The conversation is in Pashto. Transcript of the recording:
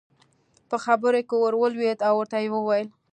په خبرو کې ور ولوېد او ورته ویې وویل.